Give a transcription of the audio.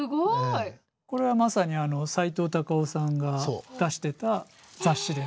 これはまさにさいとう・たかをさんが出してた雑誌です。